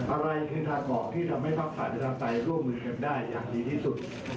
อะไรคือทางบอกที่ทำให้ภาคสาธารณาไตรร่วมมือกันได้อย่างดีที่สุด